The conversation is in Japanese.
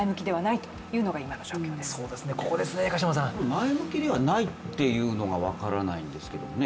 前向きではないというのが分からないんですけれどもね。